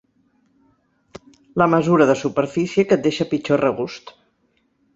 La mesura de superfície que et deixa pitjor regust.